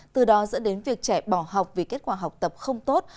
từ đó dẫn đến việc trẻ bỏ học vì kết quả học tập không tốt